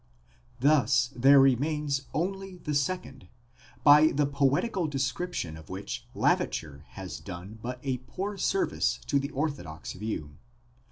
thus there remains only the second, by the poetical description of which Lavater has done but a poor service to the orthodox view.